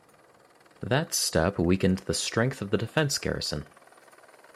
That step weakened the strength of the defence garrison.